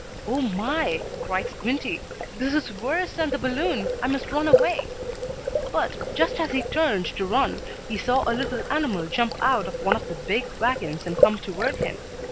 "Oh my!" cried Squinty. "This is worse than the balloon! I must run away!" But, just as he turned to run, he saw a little animal jump out of one of the big wagons, and come toward him.